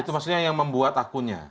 itu maksudnya yang membuat akunnya